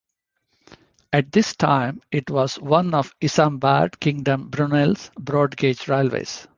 At this time it was one of Isambard Kingdom Brunel's broad gauge railways.